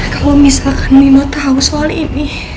kalau misalkan nino tahu soal ini